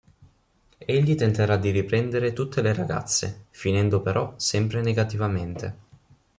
Egli tenterà di riprendere tutte le ragazze, finendo però sempre negativamente.